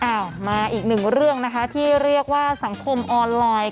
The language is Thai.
อ้าวมาอีกหนึ่งเรื่องนะคะที่เรียกว่าสังคมออนไลน์